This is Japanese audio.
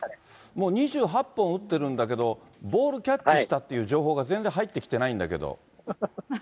もう２８本打ってるんだけど、ボールキャッチしたっていう情報が全然入ってきてないんだけど。